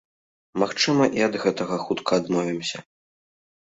Магчыма, і ад гэтага хутка адмовімся.